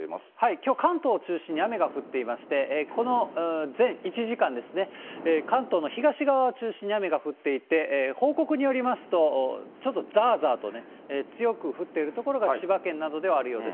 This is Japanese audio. きょう、関東を中心に雨が降っていまして、この１時間ですね、関東の東側を中心に雨が降っていて、報告によりますと、ちょっとざーざーとね、強く降っている所が、千葉県などではあるようです。